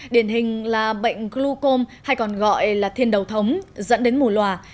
điển hình là bệnh glucom hay còn gọi là thiên đầu thống dẫn đến mù loà